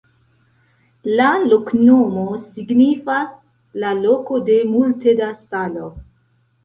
La loknomo signifas: "la loko de multe da salo".